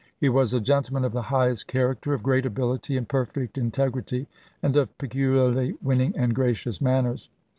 He was a gentleman of the highest character, of great ability and perfect integrity, and of peculiarly winning and gracious manners.